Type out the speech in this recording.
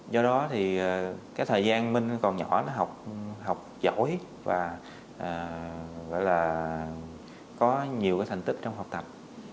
do đó thời gian minh còn nhỏ nó học giỏi và có nhiều thành tích trong học tập